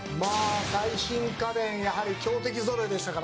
最新家電やはり強敵ぞろいでしたから。